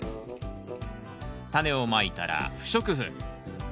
タネをまいたら不織布。